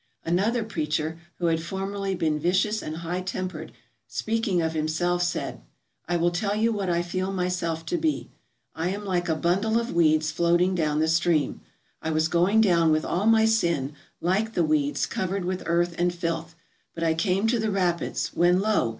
Another preacher who had formerly been vicious and high tempered, speaking of himself, said: " I will tell you what I feel myself to be. I am like a bundle of weeds floating down the stream. I was going down with all my sin, like the weeds, covered with earth and filth; but I came to the rapids, when lo!